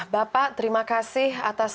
bapak terima kasih atas